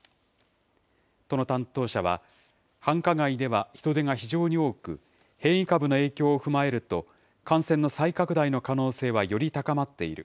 都の担当者は、繁華街では人出が非常に多く、変異株の影響を踏まえると、感染の再拡大の可能性はより高まっている。